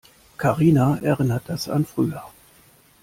Karina erinnert das an früher.